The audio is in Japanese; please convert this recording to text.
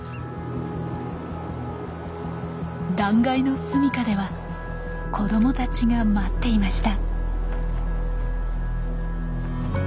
断崖のすみかでは子どもたちが待っていました。